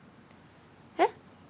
えっ？